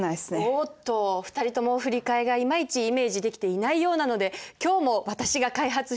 おっと２人とも振り替えがいまいちイメージできていないようなので今日も私が開発したあれの出番かなあ。